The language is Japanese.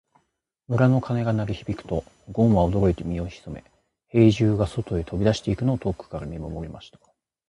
村の鐘が鳴り響くと、ごんは驚いて身を潜め、兵十が外へ飛び出していくのを遠くから見守りました。